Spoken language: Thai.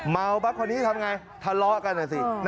เมาปะคนนี้ทำอย่างไรทะเลาะกันหน่อยสิ